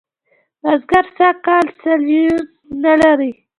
بزگر سږ کال سیاليوان نه لري.